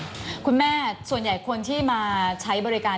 คุณแม่ส่วนใหญ่คนที่มาใช้บริการ